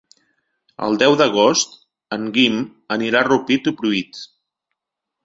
El deu d'agost en Guim anirà a Rupit i Pruit.